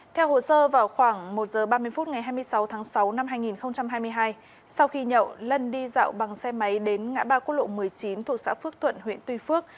theo hồ sơ vào khoảng một h ba mươi phút ngày hai mươi sáu tháng sáu năm hai nghìn hai mươi hai sau khi nhậu lân đi dạo bằng xe máy đến ngã ba quốc lộ một mươi chín thuộc xã phước thuận huyện tuy phước